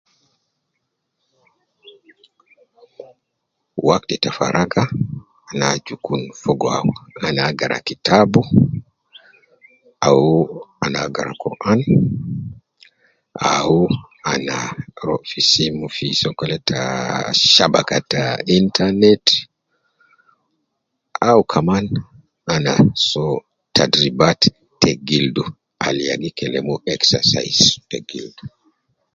Wakti ta faraka, ana aju kun fogo ana agara kitabu, au ana agara Quran, au ana ruwa fi simu fi sokole ta shabaka ta internet, au kaman ana soo tadribat ta gildu al ya gi kelem uwo exercise te gildu.